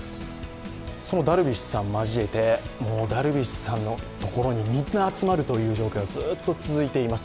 そのダルビッシュ有さん交えてダルビッシュさんのところにみんな集まるという状況がずーっと続いています。